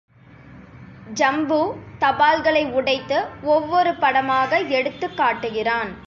ஜம்பு, தபால்களை உடைத்து ஒவ்வொரு படமாக எடுத்துக் காட்டுகிறான்.